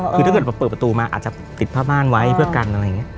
คือถ้าเปิดประตูอาจจะติดผ้าบ้านไว้เพื่อกัน